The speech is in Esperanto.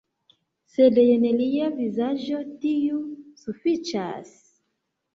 Sed jen lia vizaĝo - tiu sufiĉas